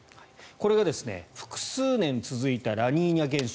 これが複数年続いたラニーニャ現象。